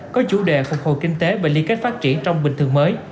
có chủ đề phục hồi kinh tế và liên kết phát triển trong bình thường mới